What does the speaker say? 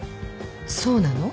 そうなの？